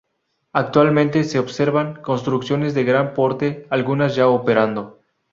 Actualmente se observan construcciones de gran porte, algunas ya operando.